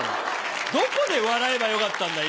どこで笑えばよかったんだ、今。